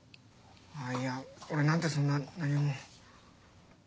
あいや俺なんてそんな何も。